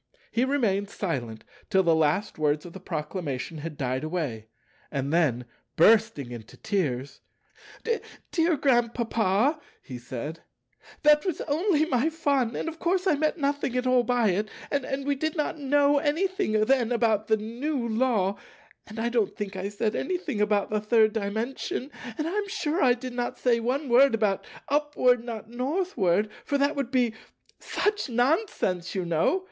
He remained silent till the last words of the Proclamation had died away, and then, bursting into tears, "Dear Grandpapa," he said, "that was only my fun, and of course I meant nothing at all by it; and we did not know anything then about the new Law; and I don't think I said anything about the Third Dimension; and I am sure I did not say one word about 'Upward, not Northward,' for that would be such nonsense, you know.